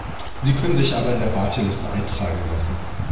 Sie können sich aber in die Warteliste eintragen lassen.